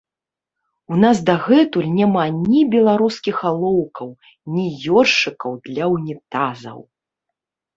У нас дагэтуль няма ні беларускіх алоўкаў, ні ёршыкаў для ўнітазаў.